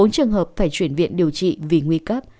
bốn trường hợp phải chuyển viện điều trị vì nguy cấp